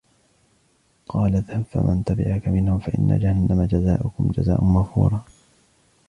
قال اذهب فمن تبعك منهم فإن جهنم جزاؤكم جزاء موفورا